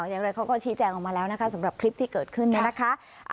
อย่างไรเขาก็ชี้แจงออกมาแล้วนะคะสำหรับคลิปที่เกิดขึ้นเนี่ยนะคะ